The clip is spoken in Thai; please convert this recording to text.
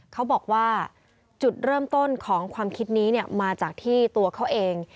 เขาบอกว่าจุดเริ่มต้นของความคิดนี้มาจากที่ตัวเขาเอง